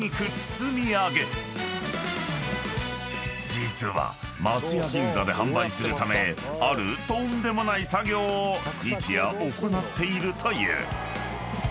［実は松屋銀座で販売するためあるとんでもない作業を日夜行っているという］